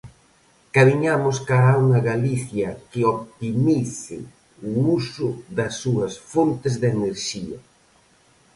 Camiñamos cara a unha Galicia que optimice o uso das súas fontes de enerxía.